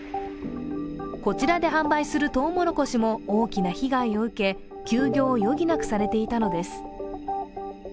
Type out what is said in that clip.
こちらで販売するとうもろこしも大きな被害を受け休業を余儀なくされていたのです。